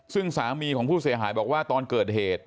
ซึ่งสามีของผู้เสียหายบอกว่าตอนเกิดเหตุ